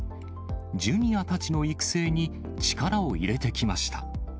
Ｊｒ．たちの育成に力を入れてきました。